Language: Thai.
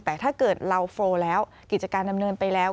แต่ถ้าเกิดเราโฟลแล้วกิจการดำเนินไปแล้ว